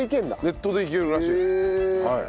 ネットでいけるらしいです。